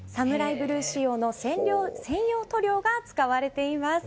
ブルー仕様の専用塗料が使われています。